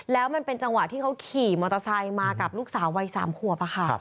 แล้วมันเป็นจังหวะที่เขาขี่มอเตอร์ไซค์มากับลูกสาววัย๓ขวบค่ะ